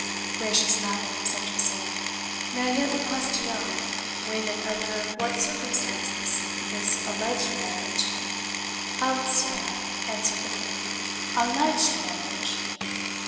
"Gracious madam," said Tressilian, "may I yet request to know, when and under what circumstances this alleged marriage " "Out, sirrah," answered the Queen; "ALLEGED marriage!